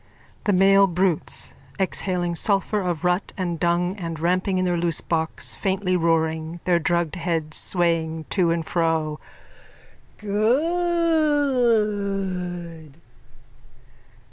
_ THE MALE BRUTES: _(Exhaling sulphur of rut and dung and ramping in their loosebox, faintly roaring, their drugged heads swaying to and fro.)_ Good!